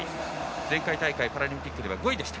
前回大会パラリンピックでは５位でした。